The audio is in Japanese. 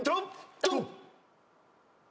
ドン！